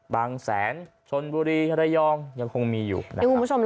บางแสนชนบุรีระยองยังคงมีอยู่นะครับ